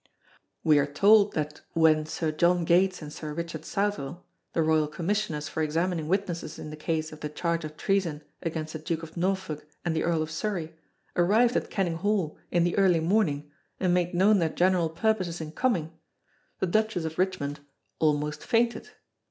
We are told that when Sir John Gates and Sir Richard Southwell, the royal Commissioners for examining witnesses in the case of the charge of treason against the Duke of Norfolk and the Earl of Surrey, arrived at Kenninghall in the early morning and made known their general purposes in coming, the Duchess of Richmond "almost fainted."